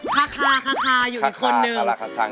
คาคาคาคาอยู่อีกคนหนึ่ง